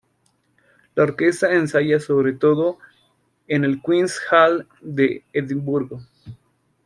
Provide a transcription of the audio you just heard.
La orquesta ensaya sobre todo en el Queens Hall de Edimburgo.